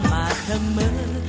mà thơm mưa